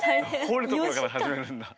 掘るところから始めるんだ。